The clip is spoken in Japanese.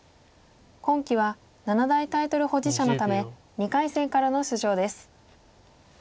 今期は七大タイトル保持者のため２回戦からの出場です。